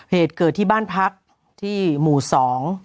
เหตุเกิดที่บ้านพักที่หมู่สอง